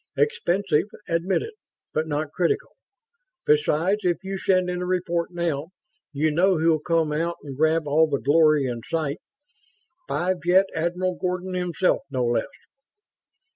Expensive, admitted, but not critical. Besides, if you send in a report now, you know who'll come out and grab all the glory in sight. Five Jet Admiral Gordon himself, no less."